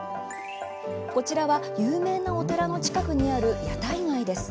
こちらは有名なお寺の近くにある屋台街です。